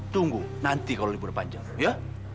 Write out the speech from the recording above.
tunggu nanti kalau libur panjang ya